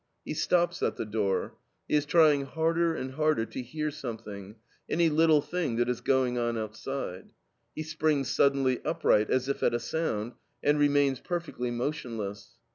He stops at the door. He is trying harder and harder to hear something, any little thing that is going on outside. He springs suddenly upright as if at a sound and remains perfectly motionless.